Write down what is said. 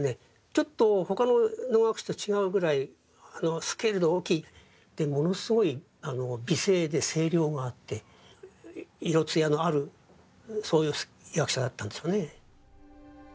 ちょっと他の能楽師と違うぐらいスケールの大きいでものすごい美声で声量があって色艶のあるそういう役者だったんでしょうね。